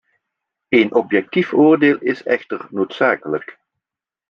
Een objectief oordeel is echter noodzakelijk.